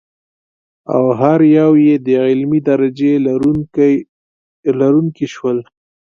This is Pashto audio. او هر یو یې د علمي درجې لرونکي شول.